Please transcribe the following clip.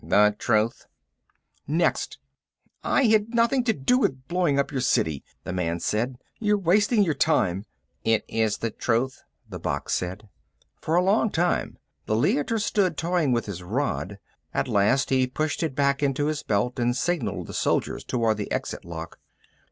"The truth." "Next!" "I had nothing to do with blowing up your city," the man said. "You're wasting your time." "It is the truth," the box said. For a long time the Leiter stood, toying with his rod. At last he pushed it back in his belt and signalled the soldiers toward the exit lock.